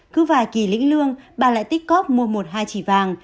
cứ vài kỳ lĩnh lương bà lại tích cóp mua một hai chỉ vàng